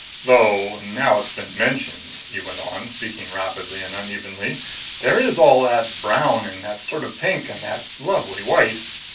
"Though now it's been mentioned," he went on, speaking rapidly and unevenly, "there is all that brown and that sort of pink and that lovely white."